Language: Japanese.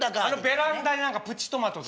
ベランダにプチトマトとか。